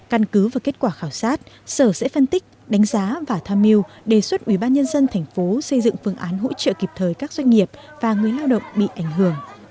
căn cứ và kết quả khảo sát sở sẽ phân tích đánh giá và tham mưu đề xuất ubnd tp xây dựng phương án hỗ trợ kịp thời các doanh nghiệp và người lao động bị ảnh hưởng